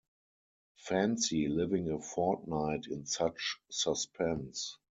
Fancy living a fortnight in such suspense!